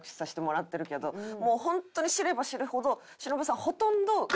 もうホントに知れば知るほど忍さん。